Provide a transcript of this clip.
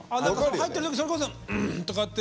入ってる時それこそ「うん」とかって。